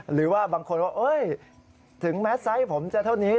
หรือว่าบางคนว่าถึงแม้ไซส์ผมจะเท่านี้